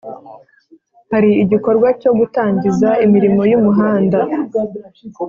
Hari igikorwa cyo gutangiza imirimo y’umuhanda